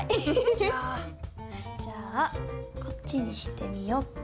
じゃあこっちにしてみよっと。